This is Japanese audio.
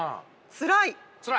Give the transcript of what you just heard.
つらい。